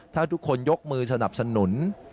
ถ้าทุกคนยกมือสนับสนุน